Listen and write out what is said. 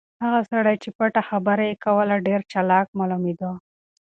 هغه سړی چې پټه خبره یې کوله ډېر چالاک معلومېده.